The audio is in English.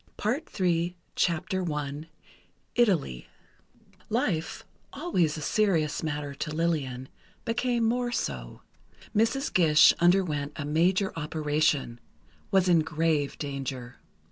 PART THREE I ITALY Life, always a serious matter to Lillian, became more so. Mrs. Gish underwent a major operation—was in grave danger.